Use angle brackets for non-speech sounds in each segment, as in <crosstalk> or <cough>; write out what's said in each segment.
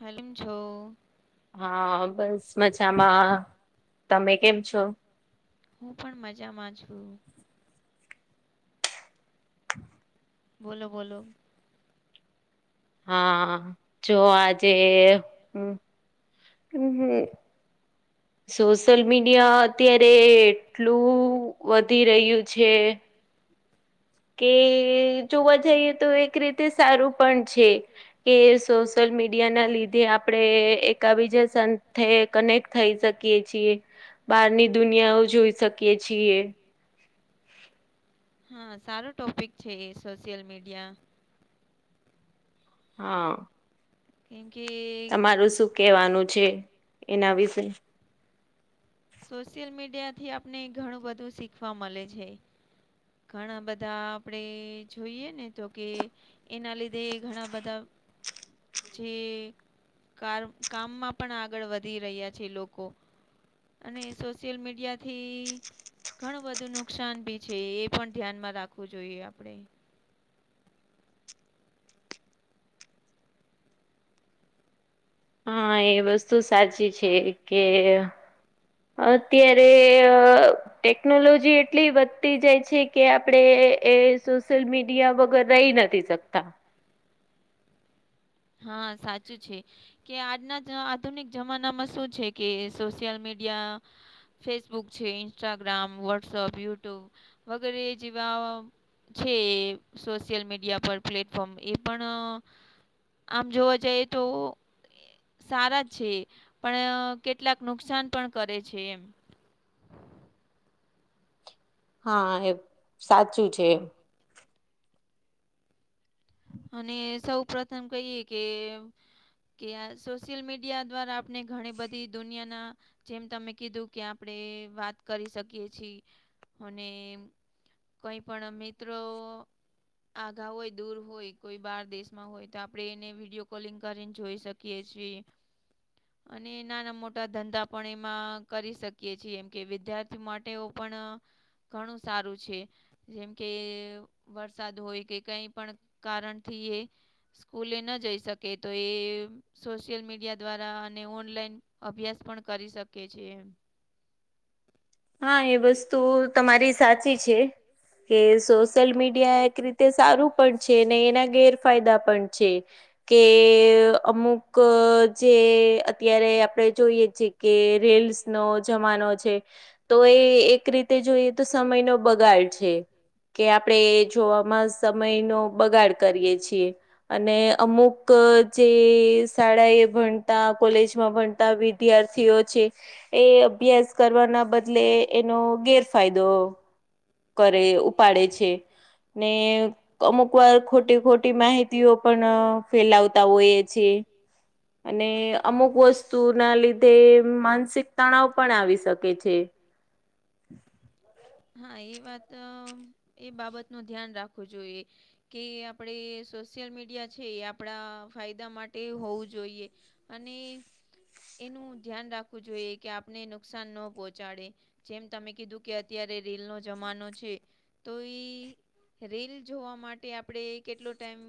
હલીમ છો હા બસ મજામાં તમે કેમ છો હું પણ મજામાં છું. બોલો બોલો હા જો આજે હુ સોશિયલ મીડિયા અત્યારે એટલું વધી રહ્યું છે. કે જોવા જઈએ તો એક રીતે સારું પણ છે કે સોશિયલ મીડિયાના લીધે આપ આપડે એકાબીજા સાંથે કનેક્ટ થઈ શકીએ છીએ બહારની દુનિયાઓ જોઈ શકીએ છીએ. હા સારો ટોપિક છે એ સોશિયલ મીડિયા હા કેમ કે તમારું શું કેહેવાનું છે એના વિશે સોશિયલ મીડિયાથી આપને ઘણું બધું શીખવા મલે છે. ઘણા બધા આપડે જોઈએ ને તો કે એના લીધે ઘણા બધા જે કાર કામમાં પણ આગળ વધી રહ્યા છે લોકો અને સોશિયલ મીડિયાથી ઘણું બધું નુકસાન બી છે એ પણ ધ્યાનમાં રાખવું જોઈએ આપડે હા એ વસ્તુ સાચી છે કે અત્યારે ટેકનોલોજી એટલી વધતી જાય છે કે આપડે એ સોશિયલ મીડિયા વગર રહી ન તે શકતા હા સાચું છે. કે આજના જ આધુનિક જમાનામાં શું છે કે સોશિયલ મીડિયા ફેસબુક છે ઇન્સ્ટાગ્રામ વોટ્સઅપ યુટ્યુબ વગેરે જેવા છે સોશિયલ મીડિયા પર પ્લેટફોર્મ એ પણ આમ જોવા જઈએ તો સારા છે પણ કેટલાક નુકસાન પણ કરે છે એમ હા એમ સાચું છે અને સૌ પ્રથમ કહીએ કે કે આ સોશિયલ દ્વારા આપને ઘણી બધી દુનિયાના જેમ તમે કીધુ કે આપડે વાત કરી શકીએ છીઇ અને અમ કઈ પણ મિત્રો આઘા હોય દૂર હોય. કોઈ બાર દેશમાં હોય તો આપણે એને વિડીયો કોલિંગ કરીને જોઈ શકીએ છીએ. અને નાના મોટા ધંધા પણ એમાં કરી શકીએ છી એમ કે વિદ્યાર્થી માટેઓ પણ ઘણું સારું છે જેમ કે વરસાદ હોય કે કઈ પણ કારણથી એ સ્કૂલે ન જઈ શકે તો એ સોશિયલ મીડિયા દ્વારા અને ઓનલાઈન અભ્યાસ પણ કરી શકે છે એમ. હા એ વસ્તુ તમારી સાચી છે. કે સોસ્યલ મીડિયા એક રીતે સારું પણ જે ને એના ગેરફાયદા પણ છે કે અમુક જે અત્ ક્યારે આપડે જોઈએ છી કે રીલ્સ નો જમાનો છે. તો એ એક રીતે જોઈએ તો સમયનો બગાડ છે. કે આપડે જોવામાં સમયનો બગાડ કરીએ છીએ અને અમુક જે શાળા એ ભણ આ કોલેજમાં ભણતા વિદ્યાર્થીઓ છે એ અભ્યાસ કરવાના બદલે એ એનો ગેરફાયદો કરે એ ઉપાડે છે ને અમુક વાર ખોટે ખોટી માહિતીઓ પણ ફેલાવતા હોઈ છેએ. અને અમુક વસ્તુ ના લીધે માનસિક તણાવ પણ આવી શકે છે. હા એ વાત એ બાબત નું ધ્યાન રાખવુ જોઈએ. કે આપડે સોશિયલ મીડિયા છે એ આપડા ફાયદા માટે હોવું જોઈએ. અને એનું ધ્યાન રાખવું જોઈએ કે આપને નુકસાન નો પહોંચાડે. જેમ તમે કીધું કે અત્યારે રીલનો જમાનો છે તો ઇ રીલ જોવા માટે આપડે કેટલો ટાઈમ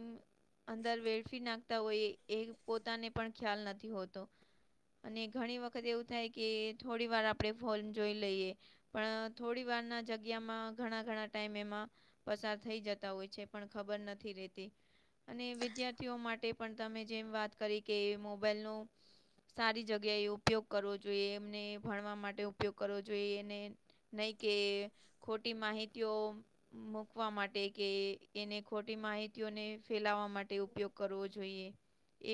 અંદર વેડફી નાખતા હોય એ એ પોતાને પણ ખ્યાલ નથી હોતો. અને ઘણી વખત એવુ થાય કે થોડી વાર આપડે ફોન જોઈ લઈએ. પણ થોડી વાર ના જગ્યામા ઘણા ઘણા ટાઈમ એમા પસાર થઈ જતા હોય છે. પણ ખબર નથી રેતી અને વિદ્યાર્થીઓ માટે પણ તમે જેમ વાત કરી કે મોબાઈલનો સારી જગ્યાએ ઉપયોગ કરવો જોઈએ એમને ભણવા માટે ઉપયોગ કરવો જોઈએ એને નહીં કે, ખોટી માહિતીઓ, મૂકવા માટે કે એને ખોટી માહિતીઓને ફેલાવા માટે ઉપયોગ કરવો જોઈએ.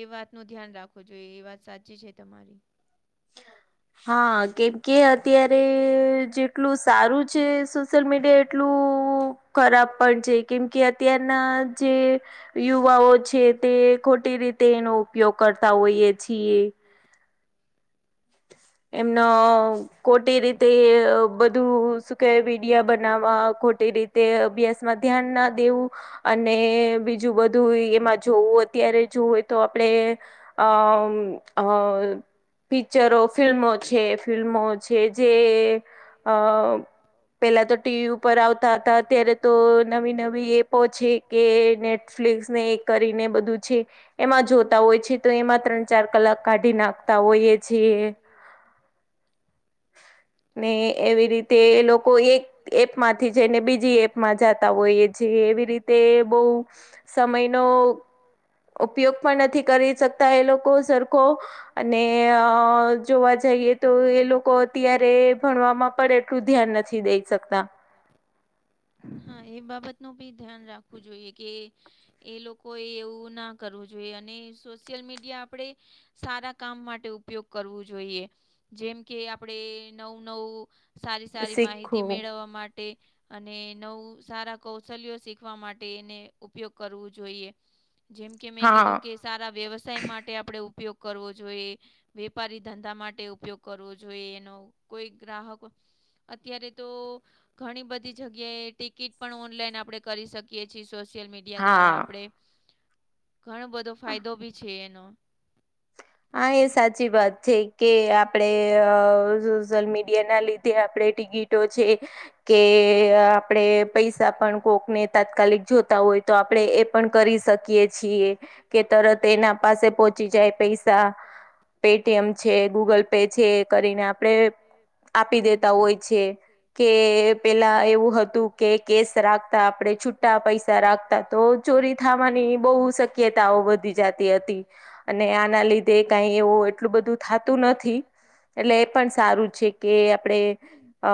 એ વાતનુ ધ્યાન રાખવુ જોઈએ એ વાત સાચી છે તમારી. હાં કેમ કે અત્યારે જે એટલુ સારુ છે સોશિયલ મીડિયા એટલુ ખરાબ પણ છે કેમ કે અત્યારના જે યુવાઓ છે તે ખોટી રીત્ તેનો ઉપયોગ કરતા હોઈએ છીએ. એમનો ખોટી રીતે બધુ સુકે વિડિયા બનાવવા ખોટી રીત તે અભ્યાસમા ધ્યાન ના દેવુ અને બીજુ બધુ ઇ એમા જોવુ અત્યારે જોવે. તો આપડે અમ્ અ પિક્ચરો ફિલ્મો છે. ફિલ્મો છે જે અમ પેલા તો ટીવી ઉપર આવતા હતા, અત્યારે તો નવી નવી એપો છે. કે નેટફ્લિકસ ને એ કરીને બધું છે એમાં જોતા હોય છે તો એમાં ત્રણ ચાર કલાક કાઢી નાખતા હોઈએ છીએ. ને એવી રીતે એ લોકો એક એપ માંથી જઈને બીજી એપમાં જાતા હોઇએ છીએ એવી રીત રીતે બઉ સમયનો ઉપયોગ પણ નથી કરી શકતા એ લોકો સરખો અને અ જોવા જાઈએ તો એ લોકો અત્યારે ભણવામાં પણ એટલું ધ્યાન નથી દઈ શકતા. હા એ બાબત નું ભી ધ્યાન રાખવું જોઈએ કે એ લોકોએ એવું ના કરવું જોઈએ અને સોશિયલ મીડિયા આપણેે સારા કામ માટે ઉપયોગ કરવું જોઈએ જેમ કે આપણેે નવુ નવુ સારી સારી માહિતી મેળવવા માટે અને નવું સારા કૌશલ્યો શીખવા માટે એને ઉપયોગ કરવું જોઈએ. જેમકે મેં કીધું કે સારા વ્યવસાય માટે આપણેે ઉપયોગ કરવો જોઈએ. વેપારી ધંધા માટે ઉપયોગ કરવો જોઈએ એનો કોઈ ગ્રાહક અત્યારે તો ઘણી બધી જગ્યાએ ટિકિટ પણ ઓનલાઈન આપડે કરી શકી કીછીએ સોશિયલ મીડિયા દ્વારા આપણેે ઘણો બધો ફાયદો બી છે એનો કે હા એ સાચી વાત છે કે આપડે અ સોશલમીડ ડિયા ના લીધે આપણે ટિકિટો છે કે આપણે પૈસા પણ કો ને તાત્કાલિક જોતા હોય તો આપણે એ પણ કરી શકીએ છીએ કે તરત એના પાસે પહોંચી જાય પૈસ પૈસા પેટીએમ છે ગૂગલ પે છે એ કરીને આપણે આપી દેતા હોય છે કે પેલા એવું હતું કે કેસ રાખતા આપણે છુ છુટા પૈસા રાખતા તો ચોરી થાવાની બહુ શક્યતાઓ વધી જાતી હતી. અને આના લીધ કે કાઈ એવું એટલું બધું થતું નથી એટલે એ પણ સારું છે કે આપણે અ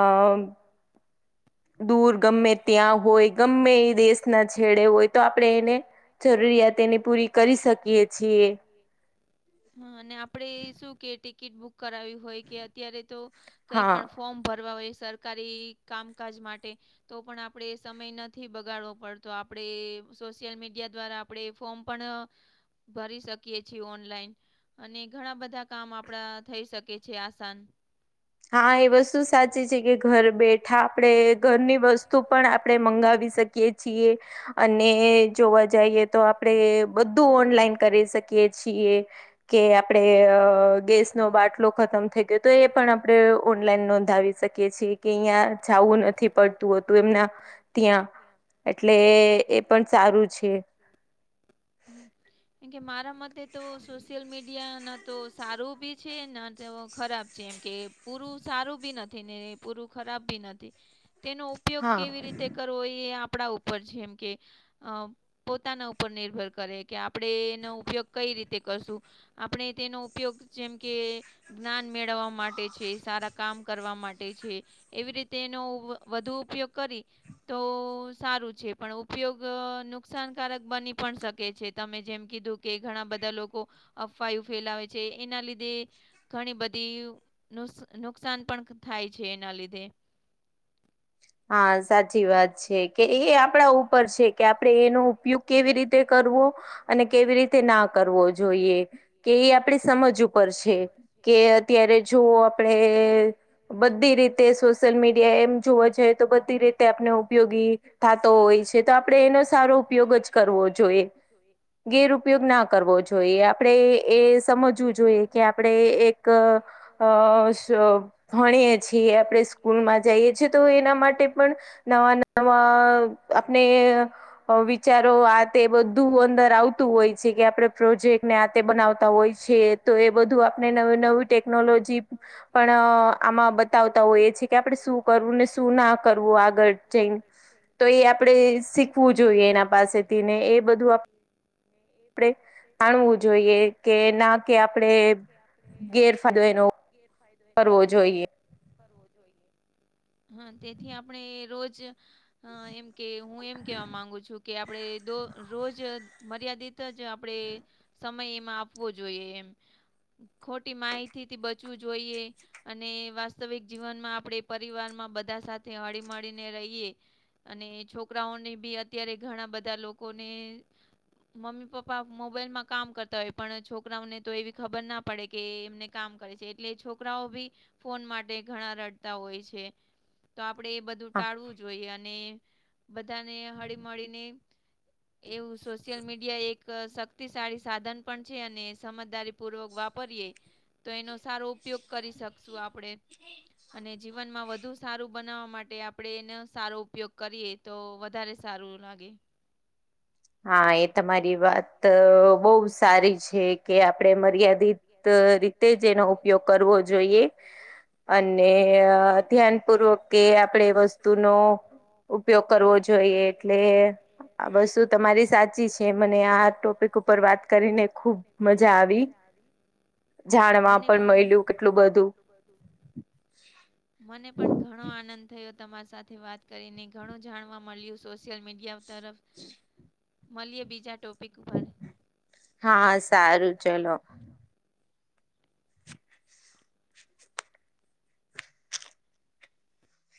દૂર ગમે ત્યાં હોય ગમે એ દેશના છેડે હોય તો આપણે એને જરૂરિયાત એની પૂરી કરી શકીએ છીએ. <inaudible> હ ને આપડે શું કે ટિકિટ બુક કરાવી હોય કે અત્યારે તો કઈ પણ ફોર્મ ભરવા હોય સરકારી કામકાજ માટે તો પણ આપડે સમય નથી બગાડવો પડતો આપડે સોશિયલ મીડિયા દ્વારા આપણે ફોર્મ પણ ભરી શકીએ છીએ ઓનલાઈન અને ઘણા બધા કામ આપણા થઈ શકે છે આસાન. હા એ વસ્તુ સાચી છે કે ઘર બેઠા આપણે ઘરની વસ્તુ પણ આપણે મંગાવી શકી એ છીએ અને જોવા જઈએ તો આપણે બધું ઓનલાઈન કરી શકી શકીએ છીએ કે આપડે અ ગેસ નો બાટલો ખતમ થઈ ગયો તો એ પણ આપડે એવું ઓનલાઈન નોંધાવી શકી છીએ કે ન્યા જાવું નથી પડતું હતું એમના ત્યાં એટલે એ પણ સારું છે. ઈ કે મારા મતે તો સોશિયલ મીડિયા ના તો સારું બી છે ન તે ખરાબ છે એમ કે પૂરું સારું બી નથી ને પૂરું ખરાબ બી નથી તેનો ઉપયોગ કેવી રીતે કરવો એ આપણા ઉપર છે એમ કે અ પોતાના ઉપર નિર્ભર કરે કે આપણેે એનો ઉપયોગ કઈ રીતે કરશું આપણે તેનો ઉપયોગ જેમ કે જ્ઞાન મેળવવા માટે છે સારા કામ કરવા માટે છે એવી રીતે એનો વધુ ઉપયોગ કરી તો સારું છે પણ ઉપયોગ નુકસાનકારક બની પણ શકે છે તમે જેમ કીધું કે ઘણા બધા લોકો અફવાયું ફેલાવે છે એના લીધે ઘણી બધી નુસ નુકસાન પણ થાય છે એના લીધે હા સાચી વાત છે કે એ આપડા ઉપર છે કે આપડે એનો ઉપયું કેવી રીતે કરવો અને કેવી રીતે ના કરવો જોઈએ કે એ આપણેે સમજ પડશે કે અત્યારે જો તો આપણે બધી રીતે સોશિયલ મીડિયા એમ જોવા જાય તો બધી રીતે આપણે ઉપયોગી થાતો હોય છે તો આપણે એનો સારો ઉપયોગ જ કરવો જોઈએ. જોઈએ ગેરઉપયોગ ના કરવો જોઈએ આપણે એ સમજવું જોઈએ આપણેે એક અ ભણીએ છીએ આપણે સ્કૂલમાં જાઈએ છીએ તો એના માટ ટે પણ નવા નવા આપણે વિચારો આ તે બધું અંદર આવતું હોય છે કે આપડે પ્રોજેક્ટ ને આ તે બનાવતા હોય છે. તો એ બધું આપણે નવું નવું ટેકનો લોજી પણ આમાં બતાવતા હોય છે કે આપણે શું કરવું ને શું ના શું ના કરવું આગળ જય તો એ આપણે શીખવું જોઈએ એના પાસે એ બધું આપણે જાણવું જોઈએ કે એનાથી આપણેે ગેરફાયદો એનો ગેરફાયદો એનો કરવો જોઈ હા તેથી આપણે એ રોજ હ એમ કે હું એમ કેવા માંગુ છું કે આપણે દો રોજ મર્યાદિત જ આપણેે સમય એમાં આપવો જોઈએ એમ ખોટી માહિતીથી બચવું જોઈએ. અને વાસ્તવિક જીવનમાં આપણે પરિવારમાં બધા સાથે હળી મળીને રહીએ અને છોકરાઓને બી અત્યારે ઘણા બધા લોકોને મમ્મી પપ્પા મોબાઈલમાં કામ કરતા હોય પણ છોકરાઓને તો એવી ખબર ના પડે કે એમને કામ કરે છે. એટલે છોકરાઓ બી ફોન માટે ઘણા રડતા હોય છે તો આપણે એ બધું ટાળવું જોઈએ અને બધાને હળી મળીને એવું સોશિયલ મીડિયા એક શક્તિશાળી સાધન પણ છે અને સમજદારી પૂર્વક વાપરીએ તો એનો સારો ઉપયોગ કરી શકશું આપણે અને જીવનમાં વધુ સારું બનાવવા માટે આપ આપણે એનો સારો ઉપયોગ કરીએ તો વધારે સારું લાગે હા એ તમારી વાત બહું સારી છે કે આપણે મર્યાદિત રી તેજ એનો ઉપ તેનો ઉપયોગ કરવો જોઈએ. અને ધ્યાન પૂર્વક કે આપણેે વસ્તુનો ઉપ ઉપયોગ કરવો જોઈએ એટલે આ <unintelligible> તમારી સાચી છે મને આ ટોપિક ઉપર વાત કરીને ખુબ મજા આવી. ખાલી જાણવા પણ મયલું કેટલું બધું બધું <inaudible> મને પણ ઘણો આનંદ થયો તમારી સાથે વાત કરીને ઘણો જાણવા મળ્યું સોશિયલ મીડિયા તરફ મલીએ બીજા ટોપિક ઉપર હા સારું ચલો